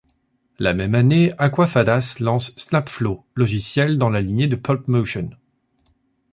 La même année, Aquafadas lance SnapFlow, logiciel dans la lignée de PulpMotion.